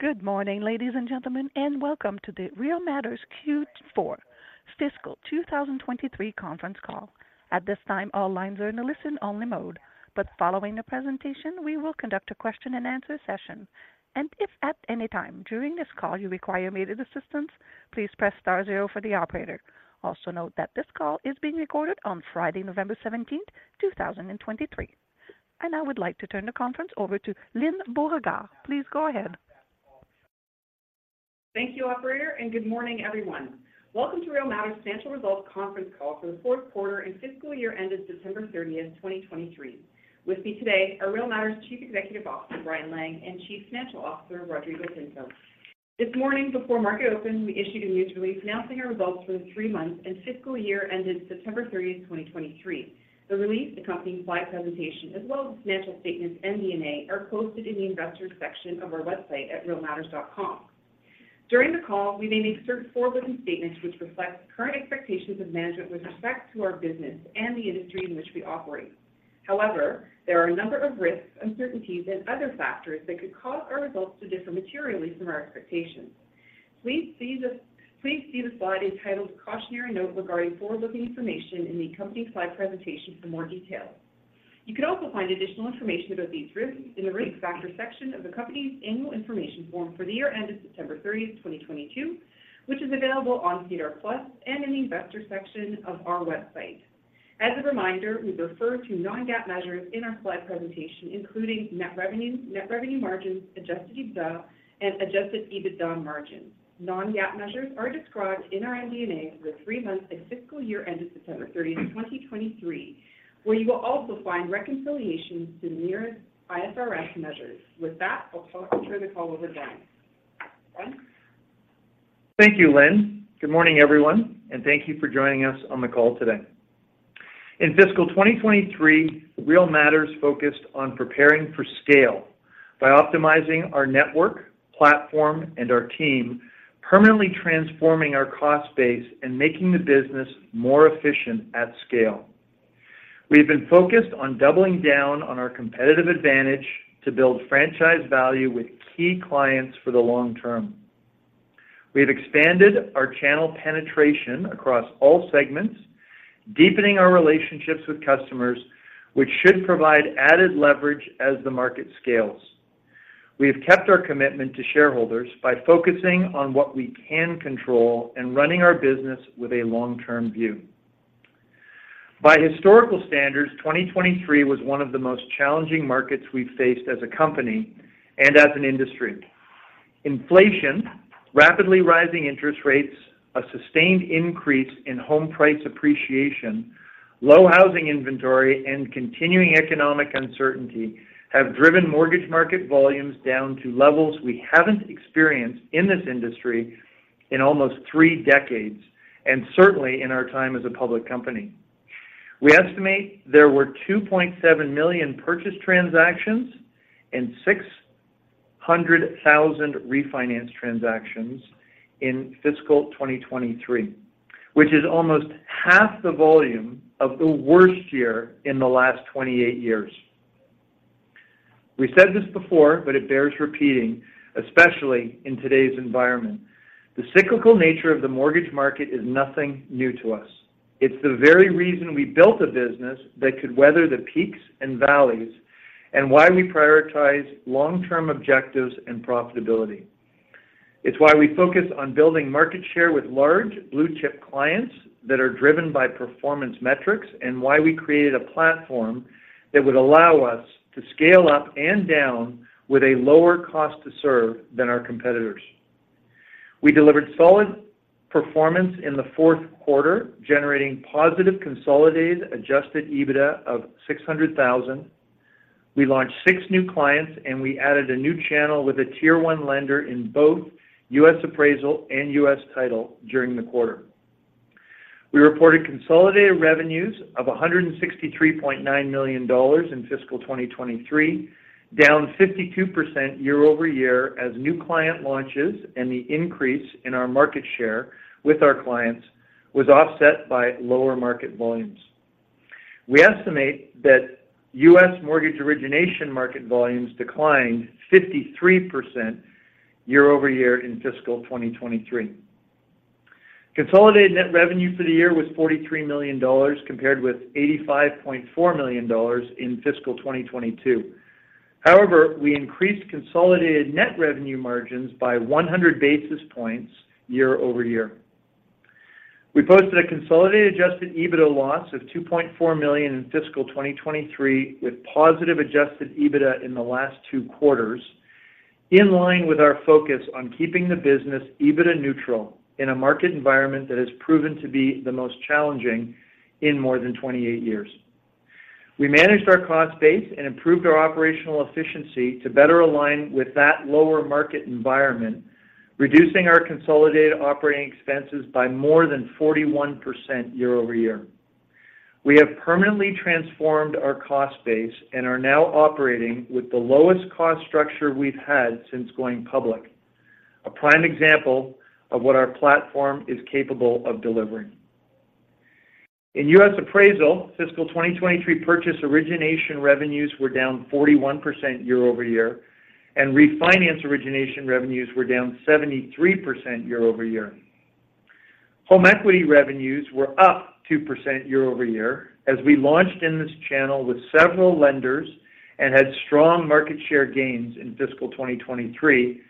Good morning, ladies and gentlemen, and welcome to the Real Matters Q4 Fiscal 2023 conference call. At this time, all lines are in a listen-only mode, but following the presentation, we will conduct a question-and-answer session. If at any time during this call you require immediate assistance, please press star zero for the operator. Also note that this call is being recorded on Friday, November 17, 2023. I would like to turn the conference over to Lyne Beauregard. Please go ahead. Thank you, operator, and good morning, everyone. Welcome to Real Matters Financial Results conference call for the fourth quarter and fiscal year end of December 30, 2023. With me today are Real Matters Chief Executive Officer, Brian Lang, and Chief Financial Officer, Rodrigo Pinto. This morning before market open, we issued a news release announcing our results for the three months and fiscal year ended September 30, 2023. The release, accompanying slide presentation, as well as financial statements and MD&A, are posted in the Investors section of our website at realmatters.com. During the call, we may make certain forward-looking statements which reflect current expectations of management with respect to our business and the industry in which we operate. However, there are a number of risks, uncertainties and other factors that could cause our results to differ materially from our expectations. Please see the slide entitled "Cautionary Note regarding forward-looking Information" in the accompanying slide presentation for more details. You can also find additional information about these risks in the Risk Factors section of the company's annual information form for the year ended September 30, 2022, which is available on SEDAR+ and in the Investor section of our website. As a reminder, we refer to non-GAAP measures in our slide presentation, including net revenue, net revenue margins, adjusted EBITDA, and adjusted EBITDA margins. Non-GAAP measures are described in our MD&A for the three months and fiscal year ended September 30, 2023, where you will also find reconciliations to the nearest IFRS measures. With that, I'll turn the call over to Brian. Brian? Thank you, Lyne. Good morning, everyone, and thank you for joining us on the call today. In fiscal 2023, Real Matters focused on preparing for scale by optimizing our network, platform, and our team, permanently transforming our cost base and making the business more efficient at scale. We've been focused on doubling down on our competitive advantage to build franchise value with key clients for the long term. We have expanded our channel penetration across all segments, deepening our relationships with customers, which should provide added leverage as the market scales. We have kept our commitment to shareholders by focusing on what we can control and running our business with a long-term view. By historical standards, 2023 was one of the most challenging markets we've faced as a company and as an industry. Inflation, rapidly rising interest rates, a sustained increase in home price appreciation, low housing inventory, and continuing economic uncertainty have driven mortgage market volumes down to levels we haven't experienced in this industry in almost three decades, and certainly in our time as a public company. We estimate there were 2.7 million purchase transactions and 600,000 refinance transactions in fiscal 2023, which is almost half the volume of the worst year in the last 28 years. We said this before, but it bears repeating, especially in today's environment. The cyclical nature of the mortgage market is nothing new to us. It's the very reason we built a business that could weather the peaks and valleys and why we prioritize long-term objectives and profitability. It's why we focus on building market share with large blue-chip clients that are driven by performance metrics, and why we created a platform that would allow us to scale up and down with a lower cost to serve than our competitors. We delivered solid performance in the fourth quarter, generating positive consolidated Adjusted EBITDA of $600,000. We launched six new clients, and we added a new channel with a Tier One Lender in both U.S. Appraisal and U.S. Title during the quarter. We reported consolidated revenues of $163.9 million in fiscal 2023, down 52% year-over-year as new client launches and the increase in our market share with our clients was offset by lower market volumes. We estimate that U.S. mortgage origination market volumes declined 53% year-over-year in fiscal 2023. Consolidated net revenue for the year was $43 million, compared with $85.4 million in fiscal 2022. However, we increased consolidated net revenue margins by 100 basis points year-over-year. We posted a consolidated adjusted EBITDA loss of $2.4 million in fiscal 2023, with positive adjusted EBITDA in the last two quarters, in line with our focus on keeping the business EBITDA neutral in a market environment that has proven to be the most challenging in more than 28 years. We managed our cost base and improved our operational efficiency to better align with that lower market environment, reducing our consolidated operating expenses by more than 41% year-over-year. We have permanently transformed our cost base and are now operating with the lowest cost structure we've had since going public, a prime example of what our platform is capable of delivering. In U.S. Appraisal, fiscal 2023 purchase origination revenues were down 41% year-over-year, and refinance origination revenues were down 73% year-over-year. Home equity revenues were up 2% year-over-year, as we launched in this channel with several lenders and had strong market share gains in fiscal 2023,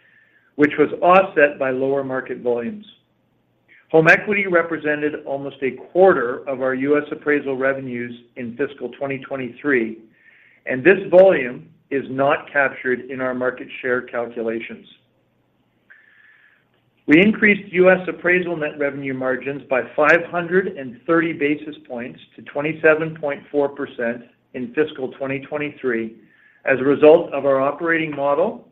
which was offset by lower market volumes. Home equity represented almost a quarter of our U.S. Appraisal revenues in fiscal 2023, and this volume is not captured in our market share calculations. We increased U.S. Appraisal net revenue margins by 530 basis points to 27.4% in fiscal 2023 as a result of our operating model,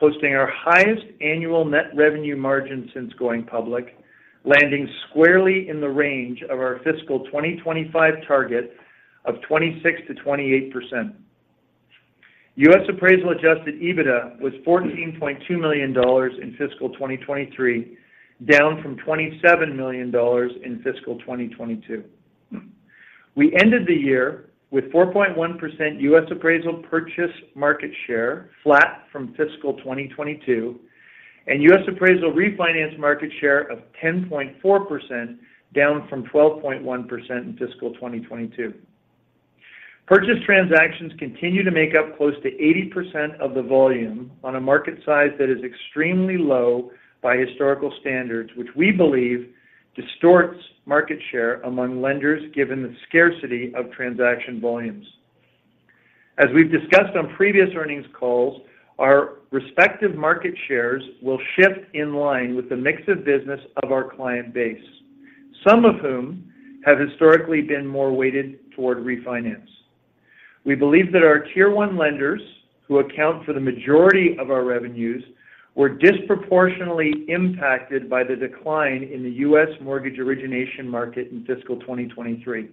posting our highest annual net revenue margin since going public, landing squarely in the range of our fiscal 2025 target of 26%-28%. U.S. Appraisal Adjusted EBITDA was $14.2 million in fiscal 2023, down from $27 million in fiscal 2022. We ended the year with 4.1% U.S. Appraisal purchase market share, flat from fiscal 2022, and U.S. Appraisal refinance market share of 10.4%, down from 12.1% in fiscal 2022. Purchase transactions continue to make up close to 80% of the volume on a market size that is extremely low by historical standards, which we believe distorts market share among lenders, given the scarcity of transaction volumes. As we've discussed on previous earnings calls, our respective market shares will shift in line with the mix of business of our client base, some of whom have historically been more weighted toward refinance. We believe that our Tier One lenders, who account for the majority of our revenues, were disproportionately impacted by the decline in the U.S. mortgage origination market in fiscal 2023.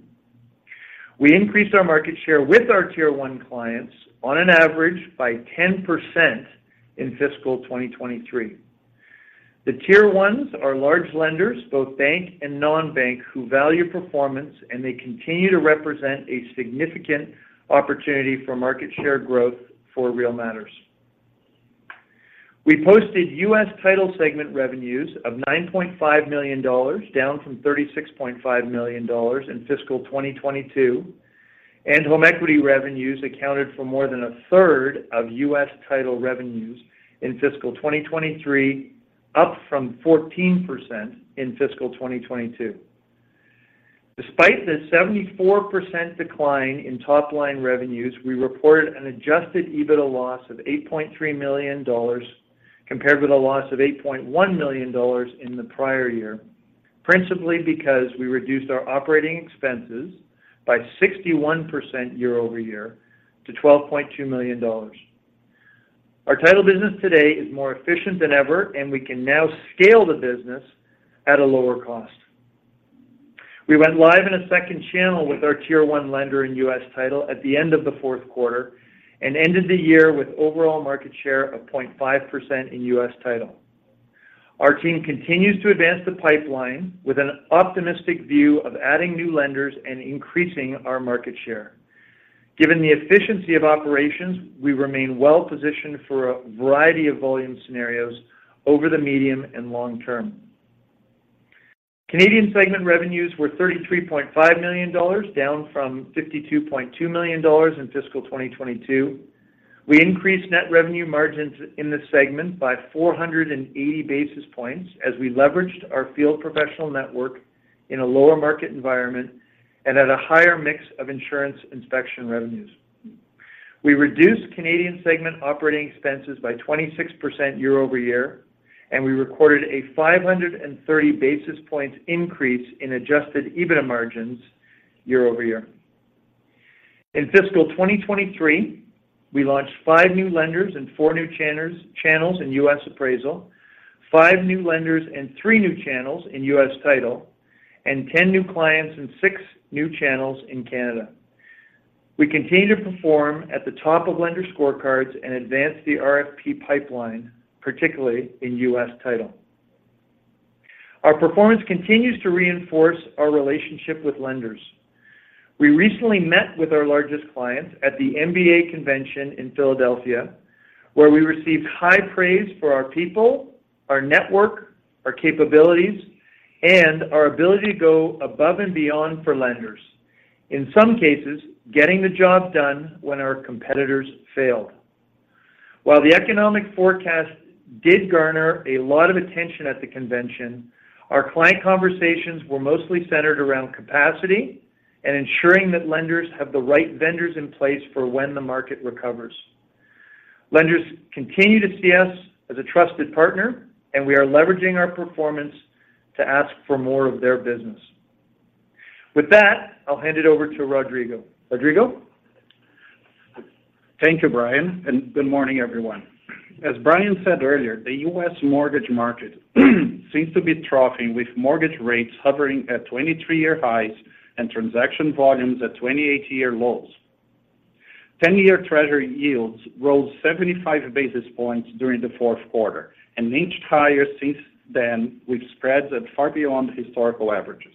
We increased our market share with our Tier One clients on an average by 10% in fiscal 2023. The Tier Ones are large lenders, both bank and non-bank, who value performance, and they continue to represent a significant opportunity for market share growth for Real Matters. We posted U.S. Title segment revenues of $9.5 million, down from $36.5 million in fiscal 2022, and home equity revenues accounted for more than a third of U.S. Title revenues in fiscal 2023, up from 14% in fiscal 2022. Despite the 74% decline in top-line revenues, we reported an Adjusted EBITDA loss of $8.3 million, compared with a loss of $8.1 million in the prior year, principally because we reduced our operating expenses by 61% year-over-year to $12.2 million. Our title business today is more efficient than ever, and we can now scale the business at a lower cost. We went live in a second channel with our Tier One lender in U.S. Title at the end of the fourth quarter and ended the year with overall market share of 0.5% in U.S. Title. Our team continues to advance the pipeline with an optimistic view of adding new lenders and increasing our market share. Given the efficiency of operations, we remain well-positioned for a variety of volume scenarios over the medium and long term. Canadian segment revenues were $33.5 million, down from $52.2 million in fiscal 2022. We increased net revenue margins in this segment by 480 basis points as we leveraged our field professional network in a lower market environment and at a higher mix of insurance inspection revenues. We reduced Canadian segment operating expenses by 26% year-over-year, and we recorded a 530 basis points increase in Adjusted EBITDA margins year-over-year. In fiscal 2023, we launched 5 new lenders and 4 new channels in U.S. Appraisal, 5 new lenders and 3 new channels in U.S. Title, and 10 new clients and 6 new channels in Canada. We continue to perform at the top of lender scorecards and advance the RFP pipeline, particularly in U.S. Title. Our performance continues to reinforce our relationship with lenders. We recently met with our largest clients at the MBA Convention in Philadelphia, where we received high praise for our people, our network, our capabilities, and our ability to go above and beyond for lenders. In some cases, getting the job done when our competitors failed. While the economic forecast did garner a lot of attention at the convention, our client conversations were mostly centered around capacity and ensuring that lenders have the right vendors in place for when the market recovers. Lenders continue to see us as a trusted partner, and we are leveraging our performance to ask for more of their business. With that, I'll hand it over to Rodrigo. Rodrigo? Thank you, Brian, and good morning, everyone. As Brian said earlier, the U.S. mortgage market seems to be troughing, with mortgage rates hovering at 23-year highs and transaction volumes at 28-year lows.... 10-year Treasury yields rose 75 basis points during the fourth quarter and inched higher since then, with spreads at far beyond historical averages.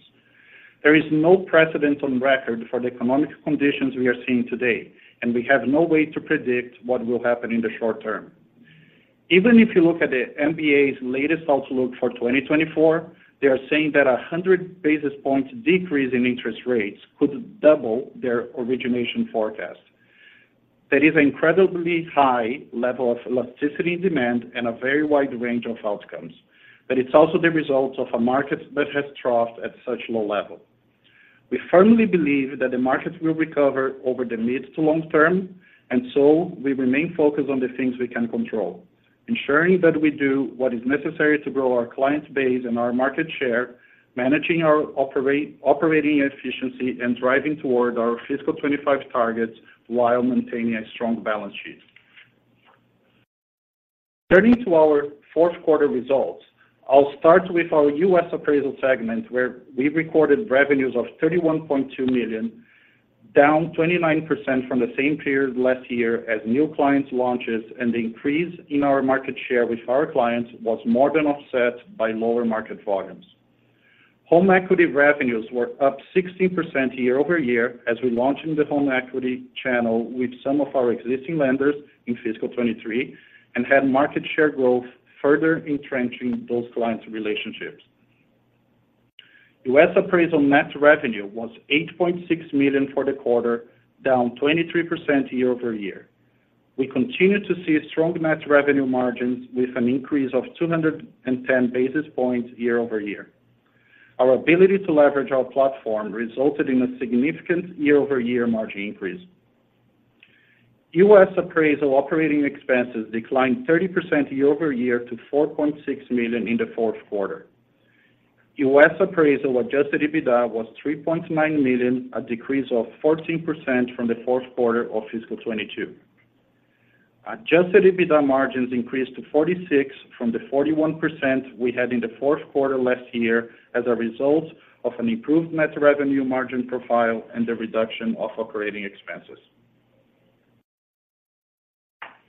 There is no precedent on record for the economic conditions we are seeing today, and we have no way to predict what will happen in the short term. Even if you look at the MBA's latest outlook for 2024, they are saying that a 100 basis points decrease in interest rates could double their origination forecast. That is an incredibly high level of elasticity demand and a very wide range of outcomes, but it's also the result of a market that has troughed at such low level. We firmly believe that the market will recover over the mid to long term, and so we remain focused on the things we can control, ensuring that we do what is necessary to grow our client base and our market share, managing our operating efficiency, and driving toward our fiscal 2025 targets while maintaining a strong balance sheet. Turning to our fourth quarter results, I'll start with our U.S. Appraisal segment, where we recorded revenues of $31.2 million, down 29% from the same period last year, as new clients launches and the increase in our market share with our clients was more than offset by lower market volumes. Home equity revenues were up 16% year-over-year, as we launched the home equity channel with some of our existing lenders in fiscal 2023 and had market share growth, further entrenching those client relationships. U.S. Appraisal net revenue was $8.6 million for the quarter, down 23% year-over-year. We continue to see strong net revenue margins with an increase of 210 basis points year-over-year. Our ability to leverage our platform resulted in a significant year-over-year margin increase. U.S. Appraisal operating expenses declined 30% year-over-year to $4.6 million in the fourth quarter. U.S. Appraisal adjusted EBITDA was $3.9 million, a decrease of 14% from the fourth quarter of fiscal 2022. Adjusted EBITDA margins increased to 46% from the 41% we had in the fourth quarter last year as a result of an improved net revenue margin profile and the reduction of operating expenses.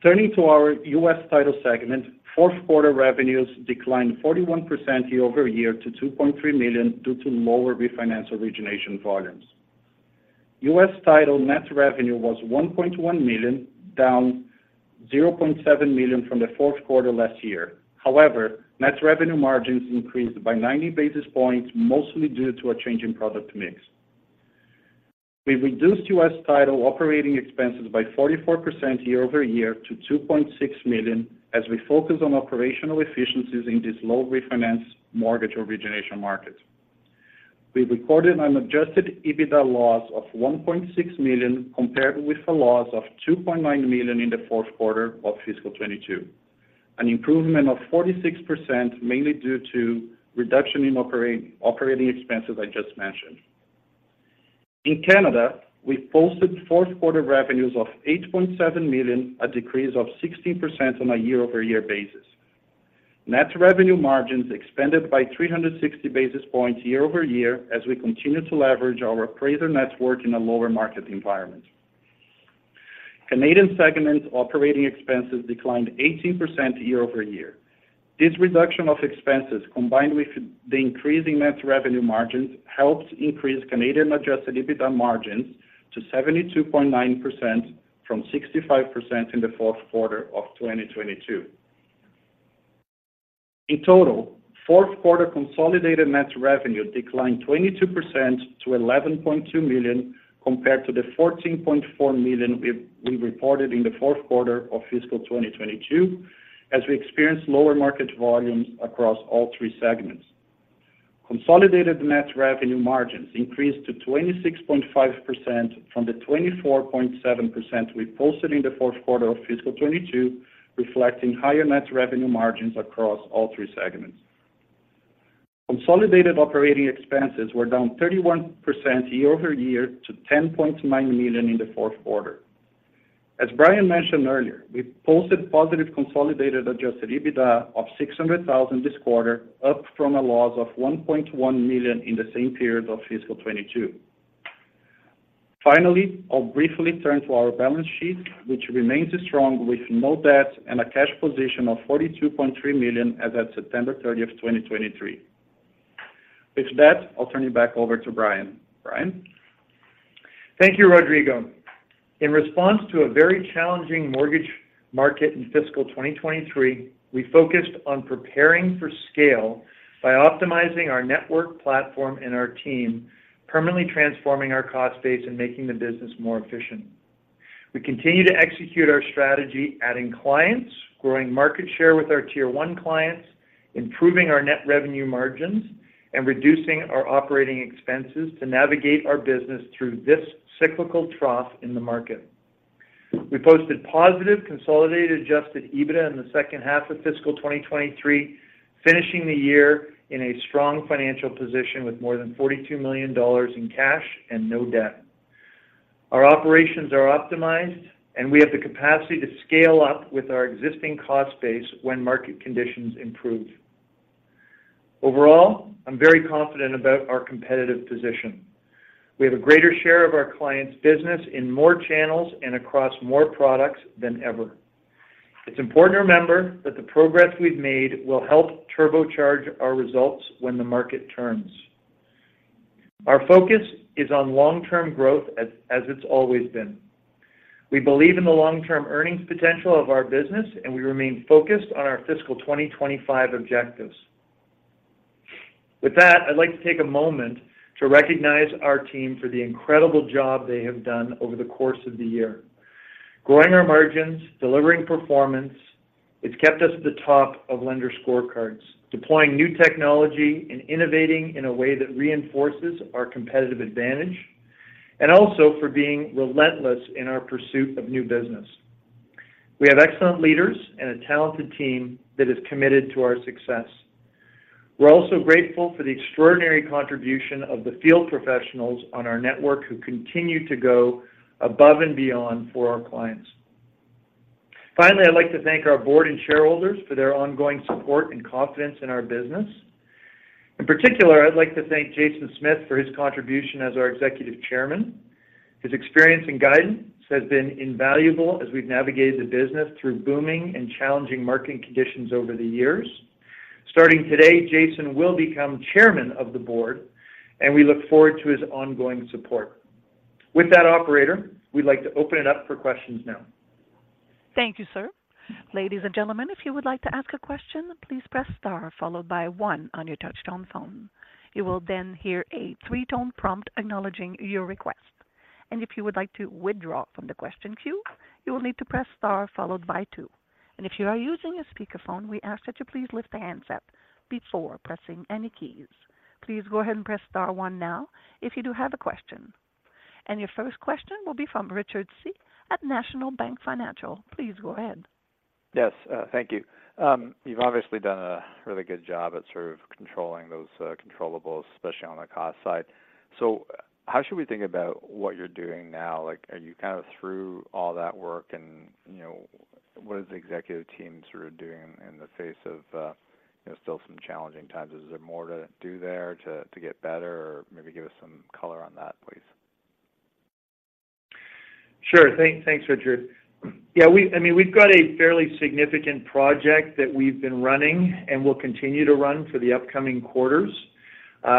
Turning to our U.S. Title segment, fourth quarter revenues declined 41% year-over-year to $2.3 million due to lower refinance origination volumes. U.S. Title net revenue was $1.1 million, down $0.7 million from the fourth quarter last year. However, net revenue margins increased by 90 basis points, mostly due to a change in product mix. We reduced U.S. Title operating expenses by 44% year-over-year to $2.6 million, as we focus on operational efficiencies in this low refinance mortgage origination market. We recorded an adjusted EBITDA loss of $1.6 million, compared with a loss of $2.9 million in the fourth quarter of fiscal 2022, an improvement of 46%, mainly due to reduction in operating expenses I just mentioned. In Canada, we posted fourth quarter revenues of $8.7 million, a decrease of 16% on a year-over-year basis. Net Revenue margins expanded by 360 basis points year over year, as we continue to leverage our appraiser network in a lower market environment. Canadian segment operating expenses declined 18% year over year. This reduction of expenses, combined with the increase in Net Revenue margins, helped increase Canadian Adjusted EBITDA margins to 72.9% from 65% in the fourth quarter of 2022. In total, fourth quarter consolidated Net Revenue declined 22% to $11.2 million, compared to the $14.4 million we reported in the fourth quarter of fiscal 2022, as we experienced lower market volumes across all three segments. Consolidated net revenue margins increased to 26.5% from the 24.7% we posted in the fourth quarter of fiscal 2022, reflecting higher net revenue margins across all three segments. Consolidated operating expenses were down 31% year-over-year to $10.9 million in the fourth quarter. As Brian mentioned earlier, we posted positive consolidated Adjusted EBITDA of $600,000 this quarter, up from a loss of $1.1 million in the same period of fiscal 2022. Finally, I'll briefly turn to our balance sheet, which remains strong, with no debt and a cash position of $42.3 million as at September 30, 2023. With that, I'll turn you back over to Brian. Brian? Thank you, Rodrigo. In response to a very challenging mortgage market in fiscal 2023, we focused on preparing for scale by optimizing our network platform and our team, permanently transforming our cost base and making the business more efficient. We continue to execute our strategy, adding clients, growing market share with our Tier One clients, improving our net revenue margins, and reducing our operating expenses to navigate our business through this cyclical trough in the market. We posted positive consolidated Adjusted EBITDA in the second half of fiscal 2023, finishing the year in a strong financial position with more than $42 million in cash and no debt. Our operations are optimized, and we have the capacity to scale up with our existing cost base when market conditions improve....Overall, I'm very confident about our competitive position. We have a greater share of our clients' business in more channels and across more products than ever. It's important to remember that the progress we've made will help turbocharge our results when the market turns. Our focus is on long-term growth as it's always been. We believe in the long-term earnings potential of our business, and we remain focused on our fiscal 2025 objectives. With that, I'd like to take a moment to recognize our team for the incredible job they have done over the course of the year. Growing our margins, delivering performance, it's kept us at the top of lender scorecards, deploying new technology, and innovating in a way that reinforces our competitive advantage, and also for being relentless in our pursuit of new business. We have excellent leaders and a talented team that is committed to our success. We're also grateful for the extraordinary contribution of the field professionals on our network who continue to go above and beyond for our clients. Finally, I'd like to thank our board and shareholders for their ongoing support and confidence in our business. In particular, I'd like to thank Jason Smith for his contribution as our Executive Chairman. His experience and guidance has been invaluable as we've navigated the business through booming and challenging marketing conditions over the years. Starting today, Jason will become Chairman of the Board, and we look forward to his ongoing support. With that, operator, we'd like to open it up for questions now. Thank you, sir. Ladies and gentlemen, if you would like to ask a question, please press Star, followed by one on your touch-tone phone. You will then hear a three-tone prompt acknowledging your request. If you would like to withdraw from the question queue, you will need to press Star followed by two. If you are using a speakerphone, we ask that you please lift the handset before pressing any keys. Please go ahead and press Star one now if you do have a question. Your first question will be from Richard Tse at National Bank Financial. Please go ahead. Yes, thank you. You've obviously done a really good job at sort of controlling those controllables, especially on the cost side. So how should we think about what you're doing now? Like, are you kind of through all that work? And, you know, what is the executive team sort of doing in the face of, you know, still some challenging times? Is there more to do there to get better? Or maybe give us some color on that, please. Sure. Thanks, Richard. Yeah, we—I mean, we've got a fairly significant project that we've been running and will continue to run for the upcoming quarters.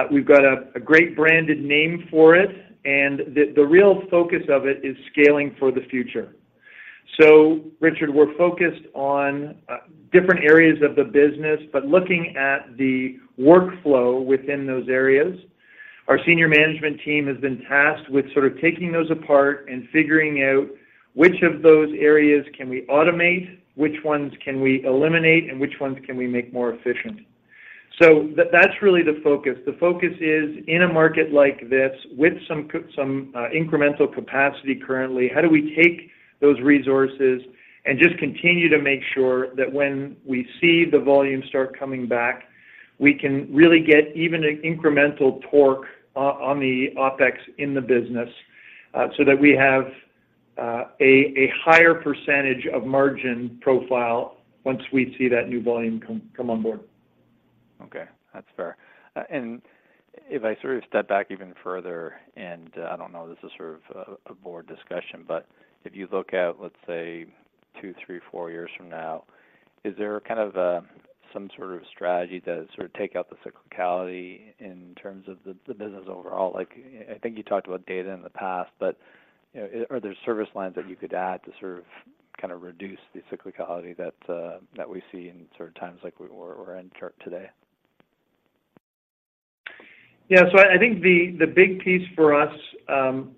We've got a great branded name for it, and the real focus of it is scaling for the future. So Richard, we're focused on different areas of the business, but looking at the workflow within those areas. Our senior management team has been tasked with sort of taking those apart and figuring out which of those areas can we automate, which ones can we eliminate, and which ones can we make more efficient. So that's really the focus. The focus is, in a market like this, with some incremental capacity currently, how do we take those resources and just continue to make sure that when we see the volume start coming back, we can really get even an incremental torque on the OpEx in the business, so that we have a higher percentage of margin profile once we see that new volume come on board. Okay, that's fair. And if I sort of step back even further, and I don't know, this is sort of a board discussion, but if you look at, let's say, 2, 3, 4 years from now, is there kind of some sort of strategy to sort of take out the cyclicality in terms of the business overall? Like, I think you talked about data in the past, but, you know, are there service lines that you could add to sort of reduce the cyclicality that we see in sort of times like we're in for today? Yeah. So I think the big piece for us,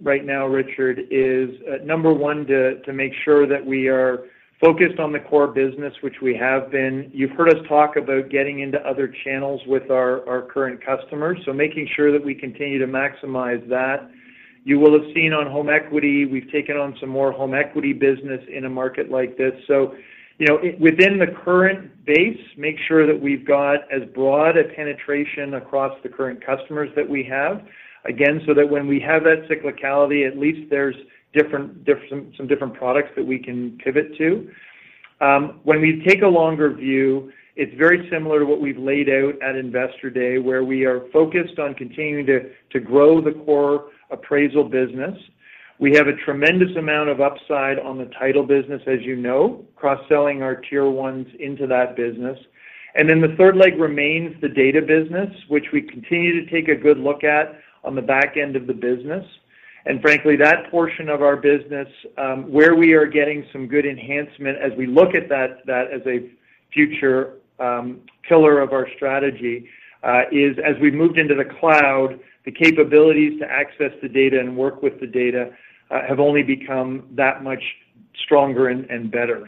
right now, Richard, is number one, to make sure that we are focused on the core business, which we have been. You've heard us talk about getting into other channels with our current customers, so making sure that we continue to maximize that. You will have seen on home equity, we've taken on some more home equity business in a market like this. So, you know, within the current base, make sure that we've got as broad a penetration across the current customers that we have. Again, so that when we have that cyclicality, at least there's different-- some different products that we can pivot to. When we take a longer view, it's very similar to what we've laid out at Investor Day, where we are focused on continuing to grow the core appraisal business. We have a tremendous amount of upside on the title business, as you know, cross-selling our Tier Ones into that business. And then the third leg remains the data business, which we continue to take a good look at on the back end of the business. And frankly, that portion of our business, where we are getting some good enhancement as we look at that as a future pillar of our strategy, is as we moved into the cloud, the capabilities to access the data and work with the data have only become that much stronger and better.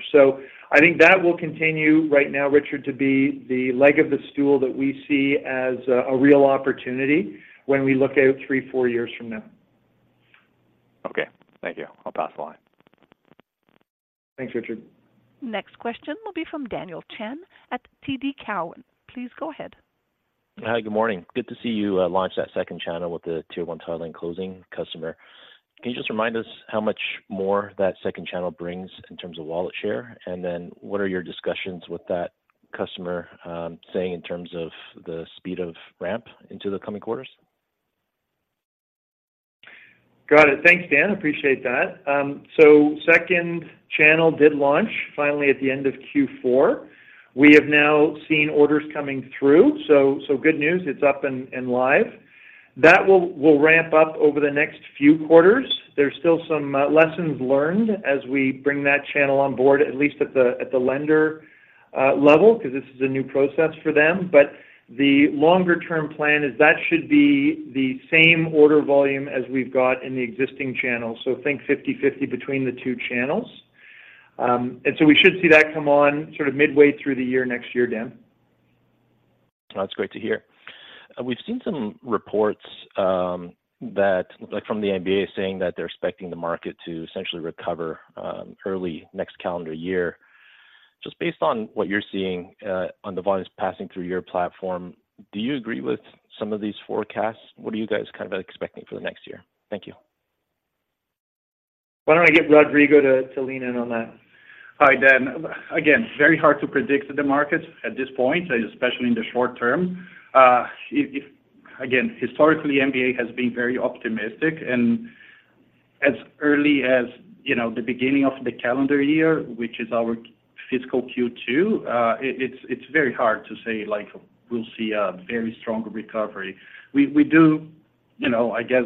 I think that will continue right now, Richard, to be the leg of the stool that we see as a real opportunity when we look out 3-4 years from now. Okay, thank you. I'll pass the line. Thanks, Richard. Next question will be from Daniel Chan at TD Cowen. Please go ahead. Hi, good morning. Good to see you launch that second channel with the Tier One title and closing customer. Can you just remind us how much more that second channel brings in terms of wallet share? And then what are your discussions with that customer saying in terms of the speed of ramp into the coming quarters? Got it. Thanks, Dan. Appreciate that. So second channel did launch finally at the end of Q4. We have now seen orders coming through, so, so good news, it's up and, and live. That will, will ramp up over the next few quarters. There's still some lessons learned as we bring that channel on board, at least at the lender level, because this is a new process for them. But the longer-term plan is that should be the same order volume as we've got in the existing channel. So think 50/50 between the two channels. And so we should see that come on sort of midway through the year, next year, Dan. That's great to hear. We've seen some reports, that, like from the MBA, saying that they're expecting the market to essentially recover, early next calendar year. Just based on what you're seeing, on the volumes passing through your platform, do you agree with some of these forecasts? What are you guys kind of expecting for the next year? Thank you. Why don't I get Rodrigo to lean in on that? Hi, Dan. Again, very hard to predict the markets at this point, especially in the short term. If again, historically, MBA has been very optimistic, and as early as, you know, the beginning of the calendar year, which is our fiscal Q2, it's very hard to say, like, we'll see a very strong recovery. We do, you know, I guess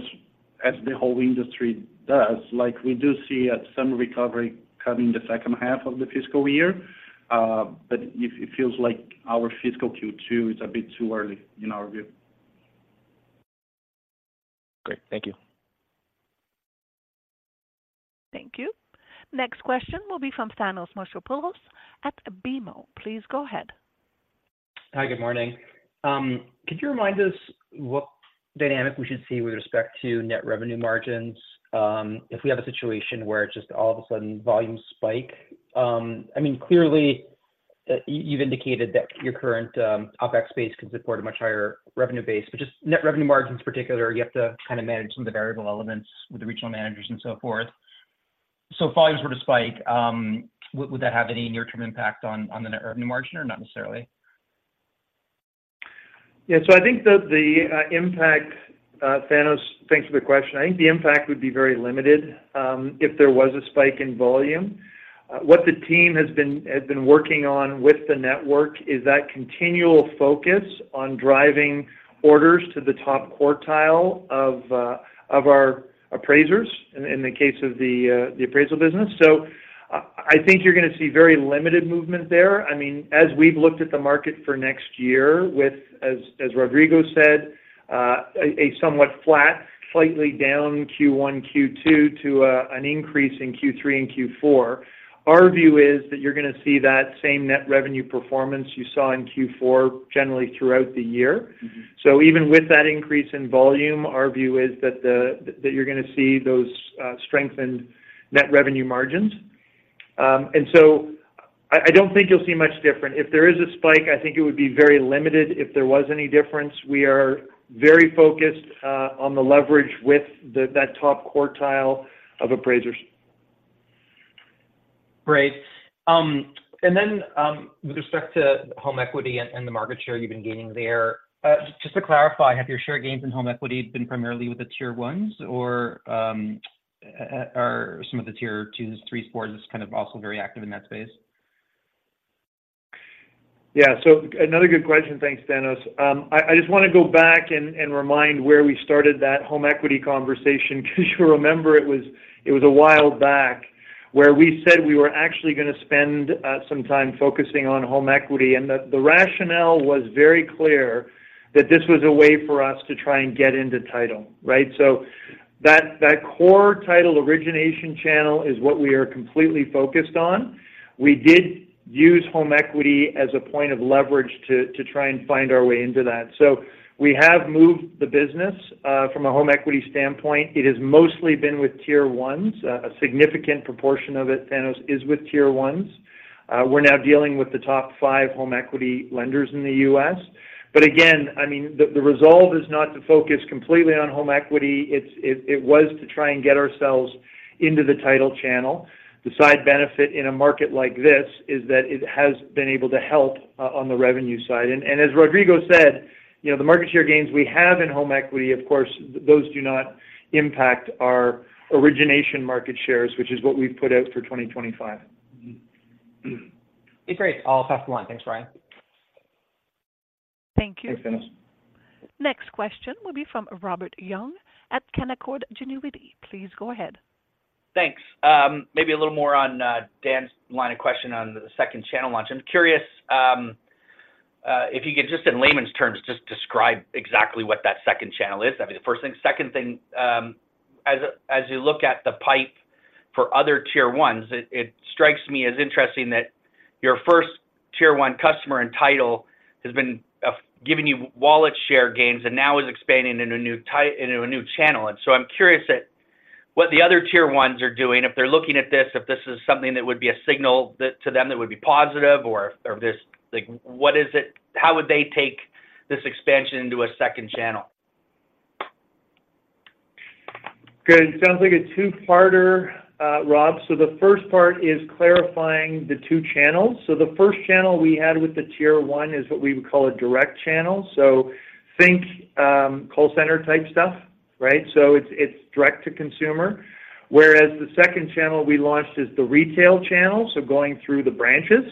as the whole industry does, like, we do see at some recovery come in the second half of the fiscal year, but it feels like our fiscal Q2 is a bit too early in our view. Great. Thank you. Thank you. Next question will be from Thanos Moschopoulos at BMO. Please go ahead. Hi, good morning. Could you remind us what dynamic we should see with respect to net revenue margins, if we have a situation where it's just all of a sudden volume spike? I mean, clearly, you've indicated that your current OpEx base can support a much higher revenue base, but just net revenue margins particular, you have to kind of manage some of the variable elements with the regional managers and so forth. So if volumes were to spike, would that have any near-term impact on the net revenue margin, or not necessarily? Yeah. So I think the impact, Thanos, thanks for the question. I think the impact would be very limited if there was a spike in volume. What the team has been working on with the network is that continual focus on driving orders to the top quartile of our appraisers in the case of the appraisal business. So I think you're going to see very limited movement there. I mean, as we've looked at the market for next year with, as Rodrigo said, a somewhat flat, slightly down Q1, Q2, to an increase in Q3 and Q4, our view is that you're going to see that same net revenue performance you saw in Q4 generally throughout the year. Mm-hmm. So even with that increase in volume, our view is that you're going to see those strengthened net revenue margins. And so I don't think you'll see much different. If there is a spike, I think it would be very limited. If there was any difference, we are very focused on the leverage with that top quartile of appraisers. Great. And then, with respect to home equity and, and the market share you've been gaining there, just to clarify, have your share gains in home equity been primarily with the Tier Ones or, or some of the Tier Twos, Threes, Fours, is kind of also very active in that space? Yeah. So another good question. Thanks, Thanos. I just want to go back and remind where we started that home equity conversation, because you remember it was a while back where we said we were actually going to spend some time focusing on home equity, and the rationale was very clear that this was a way for us to try and get into title, right? So that core title origination channel is what we are completely focused on. We did use home equity as a point of leverage to try and find our way into that. So we have moved the business from a home equity standpoint. It has mostly been with Tier Ones. A significant proportion of it, Thanos, is with Tier Ones. We're now dealing with the top 5 home equity lenders in the U.S. But again, I mean, the resolve is not to focus completely on home equity. It was to try and get ourselves into the title channel. The side benefit in a market like this is that it has been able to help on the revenue side. And as Rodrigo said, you know, the market share gains we have in home equity, of course, those do not impact our origination market shares, which is what we've put out for 2025. Mm-hmm. Okay, great. I'll pass the line. Thanks, Brian. Thank you. Thanks, Thanos. Next question will be from Robert Young at Canaccord Genuity. Please go ahead. Thanks. Maybe a little more on Dan's line of questioning on the second channel launch. I'm curious if you could just in layman's terms just describe exactly what that second channel is. That'd be the first thing. Second thing, as you look at the pipe for other Tier Ones, it strikes me as interesting that your first Tier One customer and title has been giving you wallet share gains and now is expanding into a new channel. And so I'm curious at what the other Tier Ones are doing, if they're looking at this, if this is something that would be a signal to them that would be positive or just like what is it? How would they take this expansion into a second channel? Good. Sounds like a two-parter, Rob. So the first part is clarifying the two channels. So the first channel we had with the Tier One is what we would call a direct channel. So think, call center-type stuff, right? So it's, it's direct to consumer, whereas the second channel we launched is the retail channel, so going through the branches.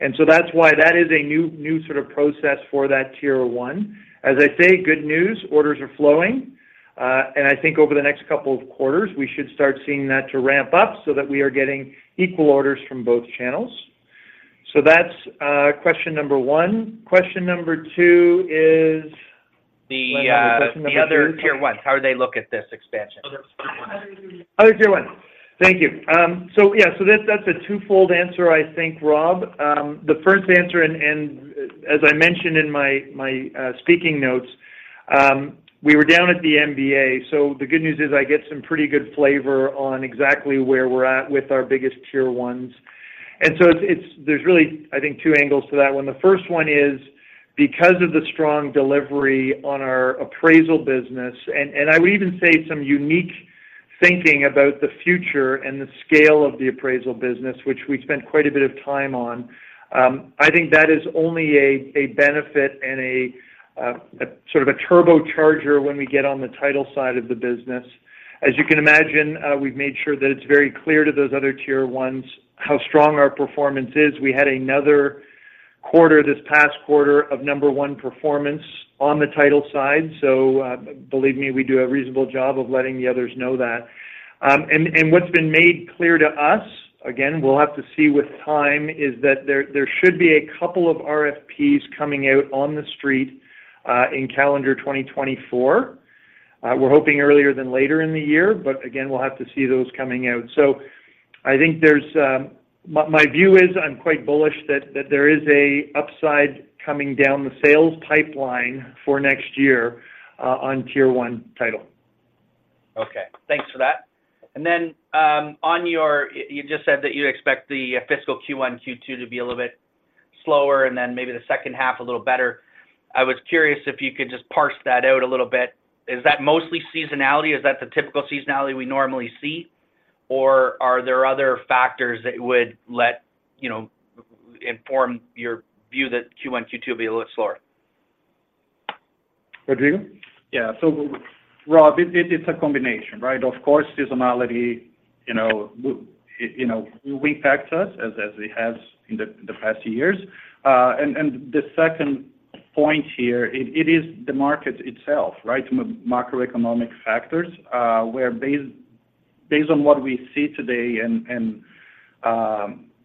And so that's why that is a new, new sort of process for that Tier One. As I say, good news, orders are flowing. And I think over the next couple of quarters, we should start seeing that to ramp up so that we are getting equal orders from both channels. So that's, question number one. Question number two is- The other- Question number two. Tier Ones. How do they look at this expansion? Other Tier ones. Other Tier Ones. Thank you. So yeah, so that's, that's a twofold answer, I think, Rob. The first answer, and as I mentioned in my speaking notes, we were down at the MBA. So the good news is I get some pretty good flavor on exactly where we're at with our biggest Tier Ones. And so it's, it's— there's really, I think, two angles to that one. The first one is, because of the strong delivery on our appraisal business, and I would even say some unique thinking about the future and the scale of the appraisal business, which we spent quite a bit of time on, I think that is only a benefit and a sort of a turbocharger when we get on the title side of the business. As you can imagine, we've made sure that it's very clear to those other Tier Ones how strong our performance is. We had another quarter, this past quarter, of number one performance on the title side. So, believe me, we do a reasonable job of letting the others know that. And, and what's been made clear to us, again, we'll have to see with time, is that there, there should be a couple of RFPs coming out on the street, in calendar 2024. We're hoping earlier than later in the year, but again, we'll have to see those coming out. So I think there's... My, my view is, I'm quite bullish that, that there is an upside coming down the sales pipeline for next year, on Tier One title. Okay, thanks for that. And then, on your – you just said that you expect the fiscal Q1, Q2 to be a little bit slower, and then maybe the second half, a little better. I was curious if you could just parse that out a little bit. Is that mostly seasonality? Is that the typical seasonality we normally see, or are there other factors that would, you know, inform your view that Q1, Q2 will be a little slower? Rodrigo? Yeah. So Rob, it's a combination, right? Of course, seasonality, you know, will impact us as it has in the past years. And the second point here, it is the market itself, right? Macroeconomic factors, where based on what we see today and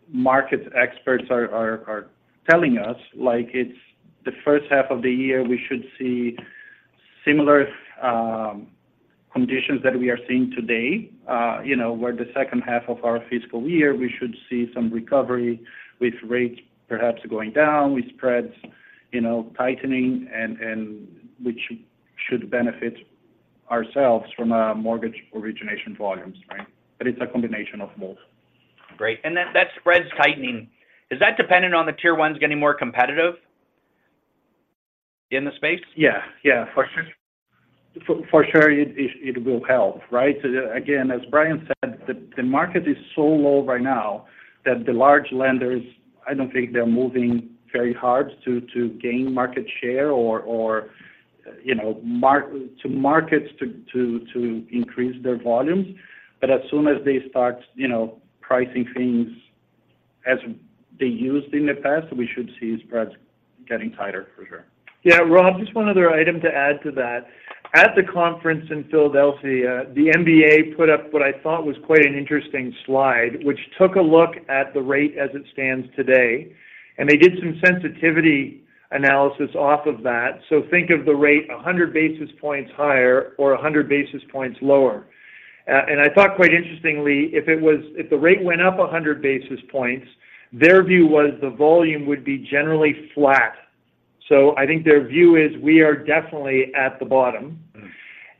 market experts are telling us, like, it's the first half of the year, we should see similar conditions that we are seeing today. You know, where the second half of our fiscal year, we should see some recovery with rates perhaps going down, with spreads, you know, tightening and which should benefit ourselves from mortgage origination volumes, right? But it's a combination of both. Great. And that, that spreads tightening. Is that dependent on the Tier Ones getting more competitive in the space? Yeah. Yeah, for sure. For sure, it will help, right? Again, as Brian said, the market is so low right now that the large lenders, I don't think they're moving very hard to gain market share or, you know, to increase their volumes. But as soon as they start, you know, pricing things as they used in the past, we should see spreads getting tighter for sure. Yeah, Rob, just one other item to add to that. At the conference in Philadelphia, the MBA put up what I thought was quite an interesting slide, which took a look at the rate as it stands today, and they did some sensitivity analysis off of that. So think of the rate 100 basis points higher or 100 basis points lower. And I thought quite interestingly, if the rate went up 100 basis points, their view was the volume would be generally flat. So I think their view is we are definitely at the bottom.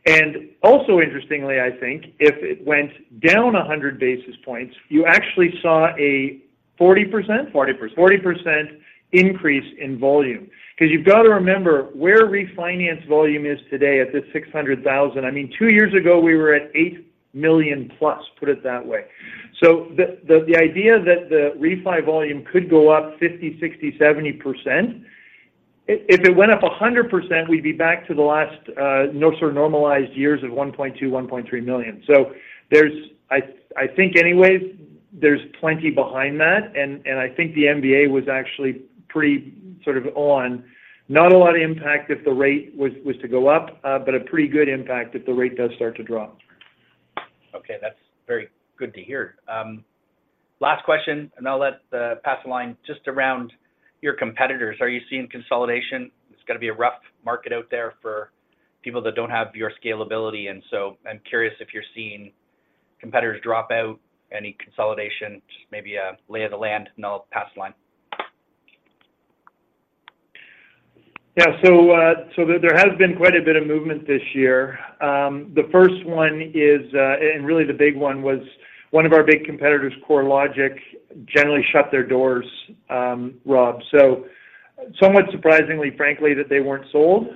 Mm. Also, interestingly, I think, if it went down 100 basis points, you actually saw a 40%? Forty percent. 40% increase in volume. Because you've got to remember where refinance volume is today at this 600,000. I mean, two years ago, we were at 8,000,000+, put it that way. So the idea that the refi volume could go up 50%, 60%, 70%, if it went up 100%, we'd be back to the last normalized years of 1.2, 1.3 million. So there's... I think anyways, there's plenty behind that, and I think the MBA was actually pretty sort of on. Not a lot of impact if the rate was to go up, but a pretty good impact if the rate does start to drop. Okay, that's very good to hear. Last question, and I'll pass the line just around your competitors. Are you seeing consolidation? It's got to be a rough market out there for people that don't have your scalability, and so I'm curious if you're seeing competitors drop out, any consolidation, maybe a lay of the land, and I'll pass the line. Yeah. So there has been quite a bit of movement this year. The first one is, and really the big one, was one of our big competitors, CoreLogic, generally shut their doors, Rob. So somewhat surprisingly, frankly, that they weren't sold.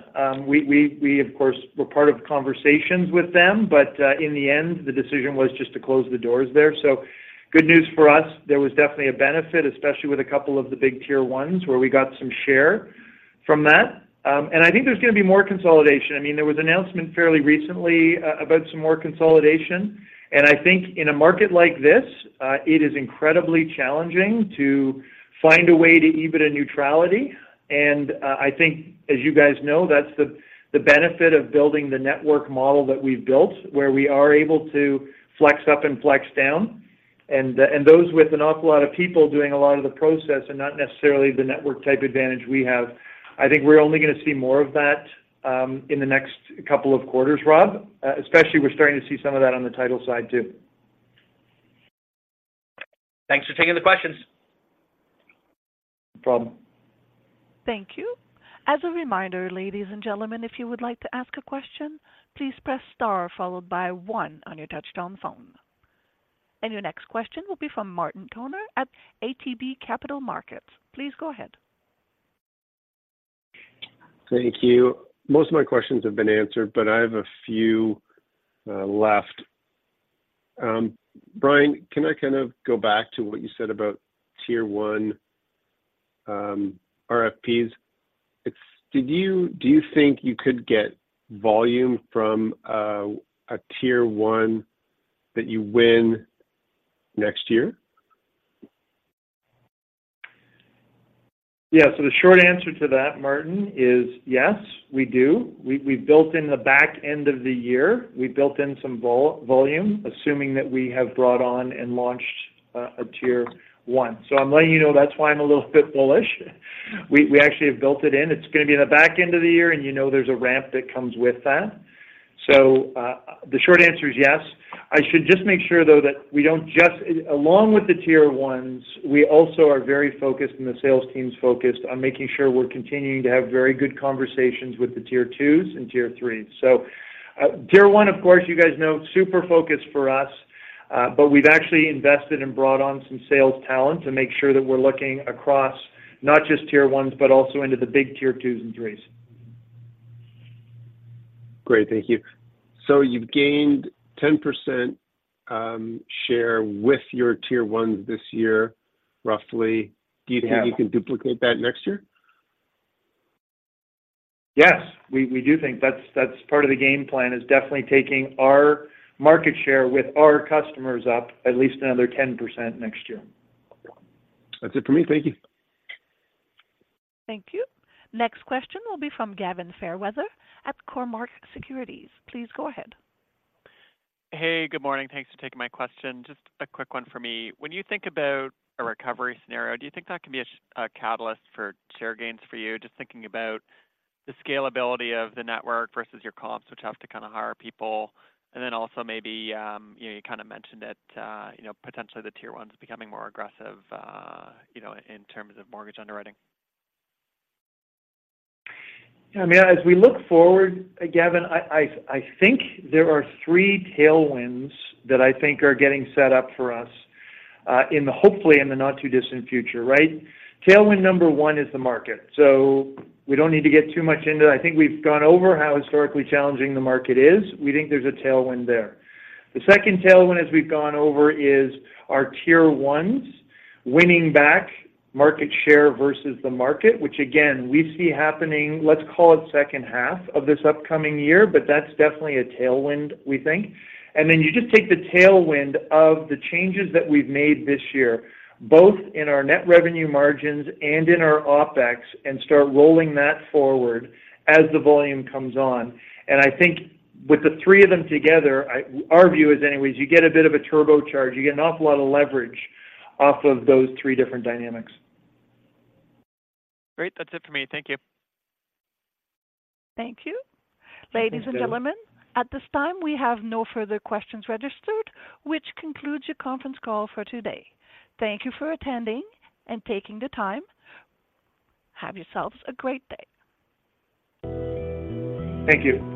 We, of course, were part of conversations with them, but in the end, the decision was just to close the doors there. So good news for us. There was definitely a benefit, especially with a couple of the big Tier One, where we got some share from that. And I think there's going to be more consolidation. I mean, there was an announcement fairly recently about some more consolidation, and I think in a market like this, it is incredibly challenging to find a way to EBITDA neutrality. I think as you guys know, that's the benefit of building the network model that we've built, where we are able to flex up and flex down. And those with an awful lot of people doing a lot of the process and not necessarily the network type advantage we have. I think we're only going to see more of that in the next couple of quarters, Rob. Especially, we're starting to see some of that on the title side, too. Thanks for taking the questions. No problem. Thank you. As a reminder, ladies and gentlemen, if you would like to ask a question, please press star followed by one on your touch-tone phone. Your next question will be from Martin Toner at ATB Capital Markets. Please go ahead. Thank you. Most of my questions have been answered, but I have a few left. Brian, can I kind of go back to what you said about tier one RFPs? Do you think you could get volume from a tier one that you win next year? Yeah. So the short answer to that, Martin, is yes, we do. We built in the back end of the year some volume, assuming that we have brought on and launched a tier one. So I'm letting you know, that's why I'm a little bit bullish. We actually have built it in. It's going to be in the back end of the year, and you know, there's a ramp that comes with that. So the short answer is yes. I should just make sure, though, that we don't just. Along with the tier ones, we also are very focused, and the sales team is focused on making sure we're continuing to have very good conversations with the tier twos and tier threes. So, tier one, of course, you guys know, super focused for us, but we've actually invested and brought on some sales talent to make sure that we're looking across not just tier ones, but also into the big tier twos and threes. Great. Thank you. So you've gained 10% share with your Tier Ones this year, roughly. Yeah. Do you think you can duplicate that next year? Yes, we do think that's part of the game plan, is definitely taking our market share with our customers up at least another 10% next year. That's it for me. Thank you. Thank you. Next question will be from Gavin Fairweather at Cormark Securities. Please go ahead. Hey, good morning. Thanks for taking my question. Just a quick one for me. When you think about a recovery scenario, do you think that can be a catalyst for share gains for you? Just thinking about the scalability of the network versus your comps, which have to kinda hire people. And then also maybe, you know, you kinda mentioned it, you know, potentially the Tier Ones becoming more aggressive, you know, in terms of mortgage underwriting. Yeah, I mean, as we look forward, Gavin, I think there are three tailwinds that I think are getting set up for us, in hopefully, in the not too distant future, right? Tailwind number one is the market. So we don't need to get too much into that. I think we've gone over how historically challenging the market is. We think there's a tailwind there. The second tailwind, as we've gone over, is our Tier Ones, winning back market share versus the market, which again, we see happening, let's call it second half of this upcoming year, but that's definitely a tailwind, we think. And then you just take the tailwind of the changes that we've made this year, both in our net revenue margins and in our OpEx, and start rolling that forward as the volume comes on. I think with the three of them together, our view is anyways, you get a bit of a turbocharge, you get an awful lot of leverage off of those three different dynamics. Great. That's it for me. Thank you. Thank you. Thanks, Gavin. Ladies and gentlemen, at this time, we have no further questions registered, which concludes your conference call for today. Thank you for attending and taking the time. Have yourselves a great day. Thank you.